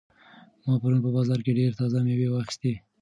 ما پرون په بازار کې ډېرې تازه مېوې واخیستې.